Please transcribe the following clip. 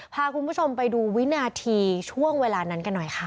พาคุณผู้ชมไปดูวินาทีช่วงเวลานั้นกันหน่อยค่ะ